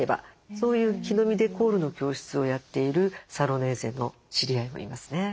そういう木の実デコールの教室をやっているサロネーゼの知り合いもいますね。